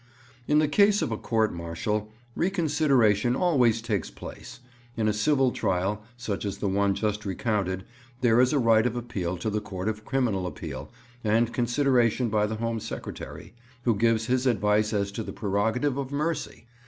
'In the case of a court martial, reconsideration always takes place; in a civil trial, such as the one just recounted, there is a right of appeal to the Court of Criminal Appeal and consideration by the Home Secretary, who gives his advice as to the prerogative of mercy.